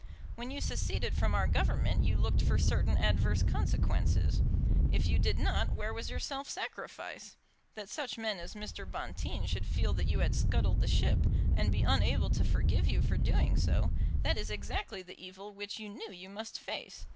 When you seceded from our Government you looked for certain adverse consequences. If you did not, where was your self sacrifice? That such men as Mr. Bonteen should feel that you had scuttled the ship, and be unable to forgive you for doing so, that is exactly the evil which you knew you must face.